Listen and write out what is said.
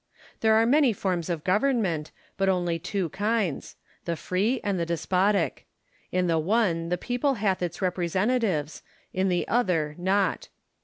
There are many forms of government, but only two kinds ; the free and the despotic : in the one the people hath its representatives, in the other not.